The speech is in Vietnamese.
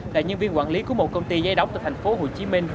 là nhân viên quản lý của một công ty giấy đóng tại tp hcm